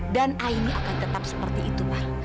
dan aini akan tetap seperti itu pak